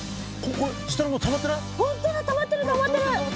ほらたまってるたまってる。